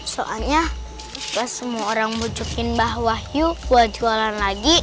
soalnya kita semua orang bujukin mba wayu buat jualan lagi